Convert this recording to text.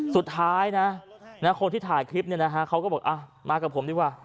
สุดท้ายนะคนที่ถ่ายคลิปเนี่ยนะฮะเขาก็บอกมากับผมดีกว่า